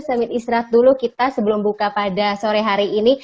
sambil istirahat dulu kita sebelum buka pada sore hari ini